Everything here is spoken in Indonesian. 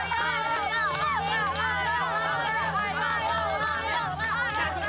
jatuh dia jatuh